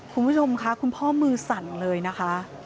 คุณผู้ชมค่ะคุณพ่อมือสั่นเลยนะคะ